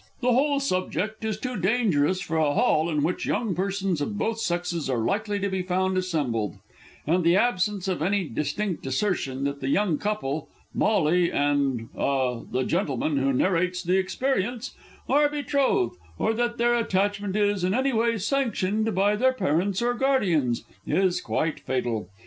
The whole subject is too dangerous for a hall in which young persons of both sexes are likely to be found assembled; and the absence of any distinct assertion that the young couple Molly and ah the gentleman who narrates the experience are betrothed, or that their attachment is, in any way, sanctioned by their parents or guardians, is quite fatal.